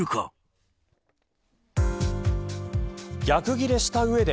逆ギレした上で